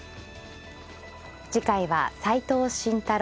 次回は斎藤慎太郎